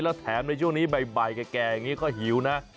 แล้วแถมในช่วงนี้บ่ายแก่อย่างนี้ก็หิวนะ